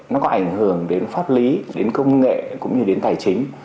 nó có ảnh hưởng đến pháp lý đến công nghệ cũng như đến tài chính